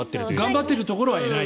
頑張ってるところは偉い。